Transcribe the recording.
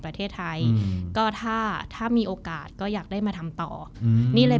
ประเทศไทยก็ถ้าถ้ามีโอกาสก็อยากได้มาทำต่ออืมนี่เลย